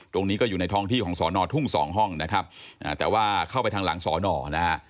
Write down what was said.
ตรงนี้ก็อยู่ในท้องที่ของสอนอทุ่งสองห้องนะครับแต่ว่าเข้าไปทางหลังสอนอนะฮะ